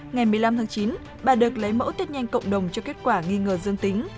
ngày một mươi năm tháng chín bà được lấy mẫu tết nhanh cộng đồng cho kết quả nghi ngờ dương tính